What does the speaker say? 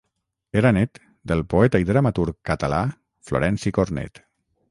Era nét del poeta i dramaturg català Florenci Cornet.